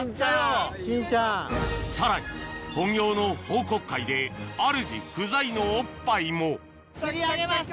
さらに本業の報告会であるじ不在のおっぱいも釣り上げました！